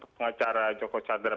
pengacara joko chandra